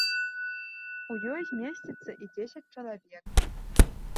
У ёй змесціцца і дзесяць чалавек.